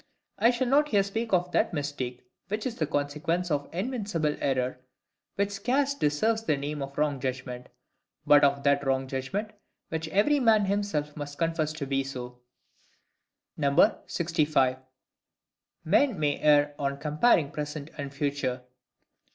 I shall not here speak of that mistake which is the consequence of INVINCIBLE error, which scarce deserves the name of wrong judgment; but of that wrong judgment which every man himself must confess to be so. 65. Men may err on comparing Present and Future.